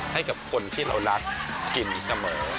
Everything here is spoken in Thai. ให้กับคนที่เรารักกินเสมอ